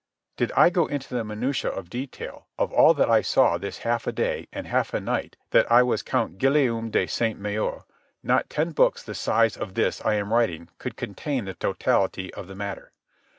Did I go into the minutiæ of detail of all that I saw this half a day and half a night that I was Count Guillaume de Sainte Maure, not ten books the size of this I am writing could contain the totality of the matter.